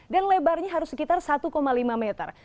dan lebarnya harus sekitar satu lima meter